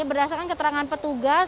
berdasarkan keterangan petugas